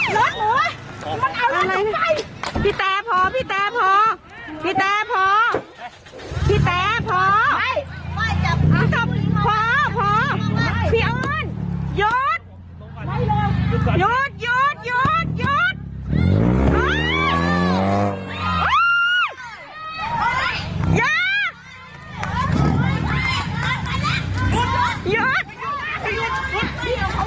รถหน่วยมันเอาเรื่องจนไป